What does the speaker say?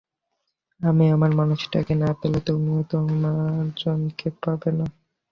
আমি আমার মানুষটাকে না পেলে, তুমিও তোমারজনকে পাবে না।